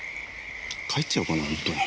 帰っちゃおうかな本当に。